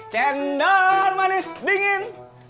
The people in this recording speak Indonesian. cendal manis dingin